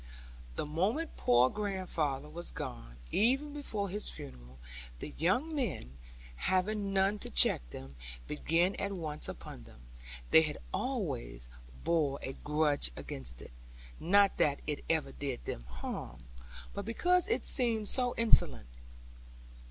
The moment poor grandfather was gone, even before his funeral, the young men, having none to check them, began at once upon it. They had always borne a grudge against it; not that it ever did them harm; but because it seemed so insolent.